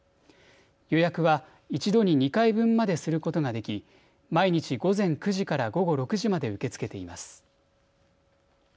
予約は１度に２回分まですることができ毎日午前９時から午後６時まで受け付けています。